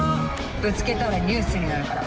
ぶつけたらニュースになるから。